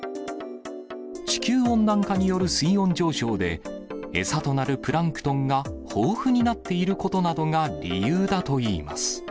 地球温暖化による水温上昇で、餌となるプランクトンが豊富になっていることなどが理由だといいます。